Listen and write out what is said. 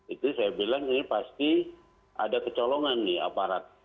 itu saya bilang ini pasti ada kecolongan nih aparat